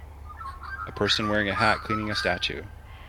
A person wearing a hat cleaning a statute.